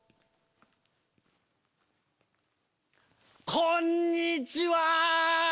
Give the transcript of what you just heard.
こんにちは！